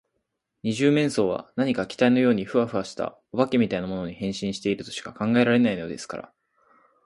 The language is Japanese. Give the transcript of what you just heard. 二十面相は何か気体のようにフワフワした、お化けみたいなものに、変身しているとしか考えられないのですから。